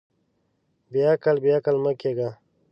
بېعقل، بېعقل مۀ کېږه.